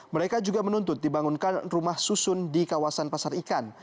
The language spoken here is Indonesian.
mereka juga menuntut dibangunkan rumah susun di kawasan pasar ikan